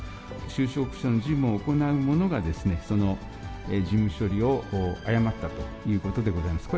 収支報告書の事務を行う者が、その事務処理を誤ったということでございます。